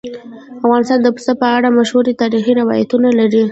افغانستان د پسه په اړه مشهور تاریخی روایتونه لري.